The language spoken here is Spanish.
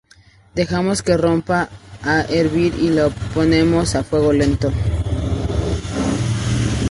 Dejamos que rompa a hervir y lo ponemos a fuego lento.